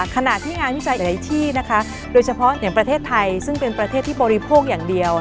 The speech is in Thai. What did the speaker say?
ขณะที่งานวิจัยหลายที่นะคะโดยเฉพาะอย่างประเทศไทยซึ่งเป็นประเทศที่บริโภคอย่างเดียว